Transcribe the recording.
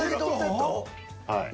はい。